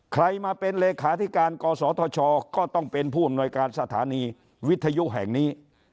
ใครมาเป็นเลขาธิการกศธชก็ต้องเป็นผู้อำนวยการสถานีวิทยุแห่งนี้